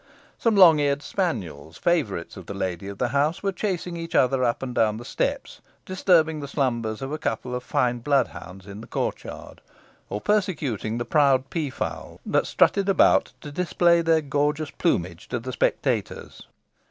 Some long eared spaniels, favourites of the lady of the house, were chasing each other up and down the steps, disturbing the slumbers of a couple of fine blood hounds in the court yard; or persecuting the proud peafowl that strutted about to display their gorgeous plumage to the spectators.